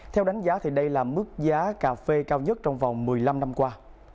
theo đánh giá đây là mức giá cà phê cao nhất trong vòng một mươi năm năm qua